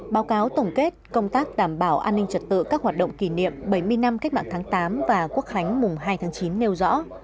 báo cáo tổng kết công tác đảm bảo an ninh trật tự các hoạt động kỷ niệm bảy mươi năm cách mạng tháng tám và quốc khánh mùng hai tháng chín nêu rõ